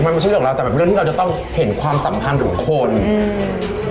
มันไม่ใช่ของเราแต่เป็นเรื่องที่เราจะต้องเห็นความสัมพันธ์ของคนอืม